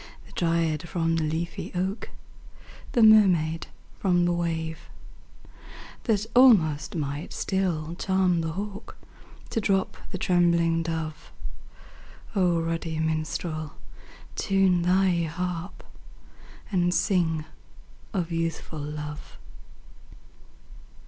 The dryad from the leafy oak, The mermaid from the wave ; That almost might still charm the hawk To drop the trembling dove? ruddy minstrel, time thy harp. And sing of Youthful Love